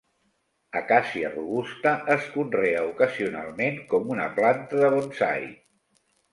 Acàcia robusta es conrea ocasionalment com una planta de bonsai.